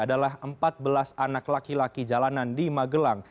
adalah empat belas anak laki laki jalanan di magelang